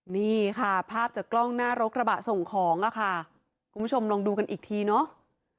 นี่ค่ะภาพจากกล้องหน้ารกระบะส่งของอ่ะค่ะคุณผู้ชมลองดูกันอีกทีเนาะ